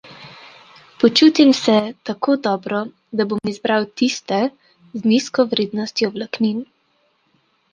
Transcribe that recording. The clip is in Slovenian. Počutim se tako dobro, da bom izbral tiste z nizko vrednostjo vlaknin.